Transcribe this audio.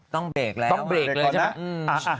ต้องเบรกแล้วต้องเบรกเลยใช่ไหม